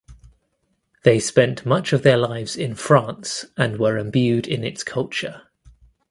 They spent much of their lives in France and were imbued in its culture.